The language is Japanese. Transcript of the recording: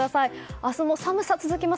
明日も寒さ続きます。